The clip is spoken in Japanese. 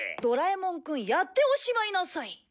ドラえもんくんやっておしまいなさい！